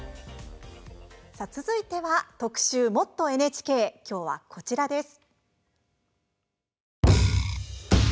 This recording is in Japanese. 続いては、特集「もっとＮＨＫ」きょうはこちらです。